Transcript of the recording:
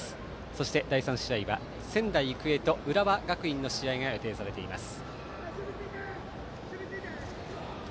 そして第３試合は仙台育英と浦和学院の試合が予定されています。